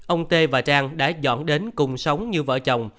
ông tê và trang đã dọn đến cùng sống như vợ chồng